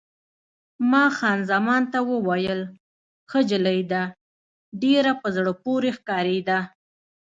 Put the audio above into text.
ما خان زمان ته وویل: ښه نجلۍ ده، ډېره په زړه پورې ښکارېده.